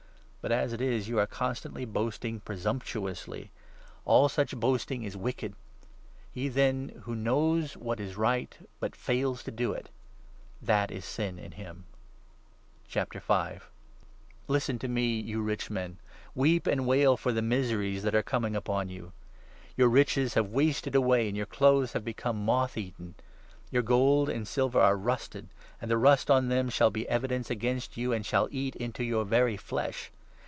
But, as it is, you are constantly boasting 16 presumptuously! All such boasting is wicked. He, then, who 17 knows what is right but fails to do it — that is sin in him. Listen to me, you rich men, weep and wail for i opp^aefon. tj16 miseries that are coming upon you ! Your 2 riches have wasted away, and your clothes have become moth eaten. Your gold and silver are rusted ; and 3 the rust on them shall be evidence against you, and shall eat into your very flesh.